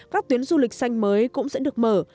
các tuyến du lịch xanh mới cũng sẽ được mở